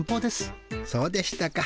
そうでしたか。